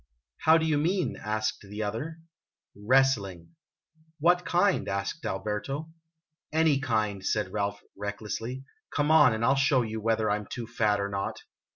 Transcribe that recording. " How do you mean ?" asked the other. 1 66 IMAGINOTIONS " Wrestling." "What kind?" asked Alberto. "Any kind," said Ralph, recklessly. "Come on, and I '11 show you whether I 'm too fat or not."